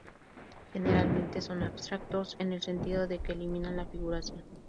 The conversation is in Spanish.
Generalmente son abstractos en el sentido de que eliminan la figuración.